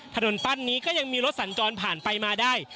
ถนนปั้นนี้ก็ยังมีรถสัญจรผ่านไปมาได้